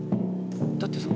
だってさ。